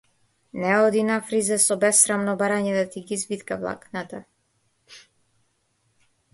Не оди на фризер со бесрамно барање да ти ги извитка влакната на пичката.